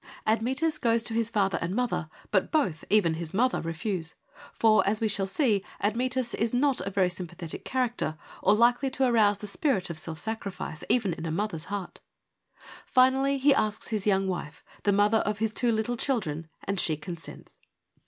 Admetus goes to his father and his 130 FEMINISM IN GREEK LITERATURE mother, but both, even his mother, refuse ; for, as we shall see, Admetus is not a very sympathetic character, or likely to arouse the spirit of self sacrifice even in a mother's heart. Finally he asks his young wife, the mother of his two little children, and she consents.